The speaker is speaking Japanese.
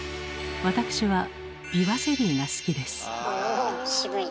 私はびわゼリーが好きです。え！